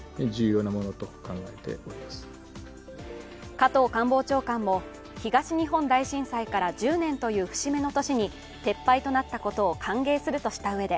加藤官房長官も東日本大震災から１０年という節目の年に撤廃となったことを歓迎するとしたうえで